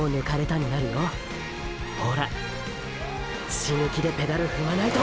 死ぬ気でペダル踏まないと！！